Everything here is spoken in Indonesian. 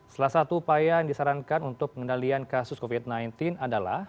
salah satu upaya yang disarankan untuk pengendalian kasus covid sembilan belas adalah